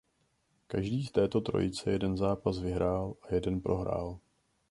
Každý z této trojice jeden zápas vyhrál a jeden prohrál.